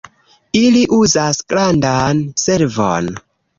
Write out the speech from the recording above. ili uzas grandan servon